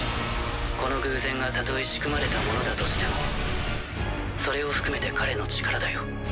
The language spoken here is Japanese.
この偶然がたとえ仕組まれたものだとしてもそれを含めて彼の力だよ。